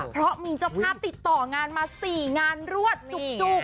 เพราะมีเจ้าภาพติดต่องานมา๔งานรวดจุก